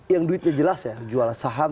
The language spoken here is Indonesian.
yang duitnya jelas ya jual saham